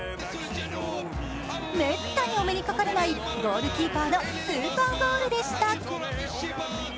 めったにお目にかかれないゴールキーパーのスーパーゴールでした。